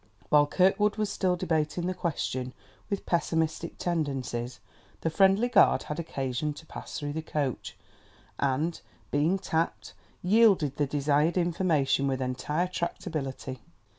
While Kirkwood was still debating the question, with pessimistic tendencies, the friendly guard had occasion to pass through the coach; and, being tapped, yielded the desired information with entire tractability.